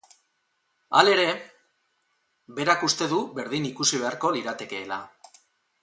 Halere, berak uste du berdin ikusi beharko liratekeela.